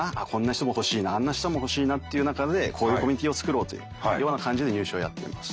人も欲しいなあんな人も欲しいなっていう中でこういうコミュニティーを作ろうというような感じで入試をやっています。